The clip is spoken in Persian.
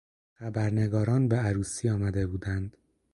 خبرنگاران به عروسی آمده بودند.